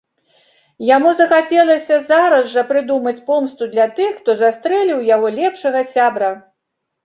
Яму захацелася зараз жа прыдумаць помсту для тых, хто застрэліў яго лепшага сябра.